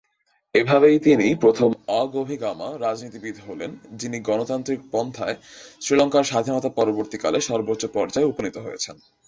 এভাবেই তিনি প্রথম অ-গোভিগামা রাজনীতিবিদ হলেন যিনি গণতান্ত্রিক পন্থায় শ্রীলঙ্কার স্বাধীনতা পরবর্তীকালে সর্বোচ্চ পর্যায়ে উপনীত হয়েছেন।